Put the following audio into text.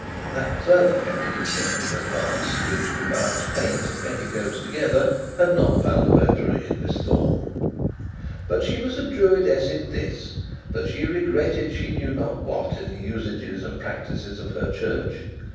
That further feminine step in advance which combines paint and petticoats together, had not found votary in Miss Thorne. But she was a Druidess in this, that she regretted she knew not what in the usages and practices of her Church.